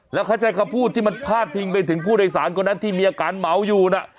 แล้วเขาใช้คำพูดที่มันพาดพิงไปถึงผู้โดยสารคนนั้นที่มีอาการเหมาอยู่นะ